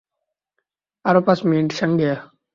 আর পাঁচ মিনিট, সাঙ্গেয়া।